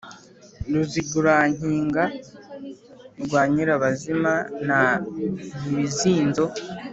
ruzigura-nkiga rwa nyirabazima na mpibizinzo